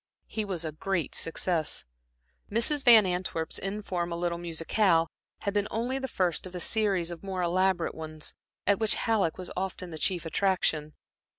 He was a great success. Mrs. Van Antwerp's informal little musicale had been only the first of a series of more elaborate ones, at which Halleck was often the chief attraction.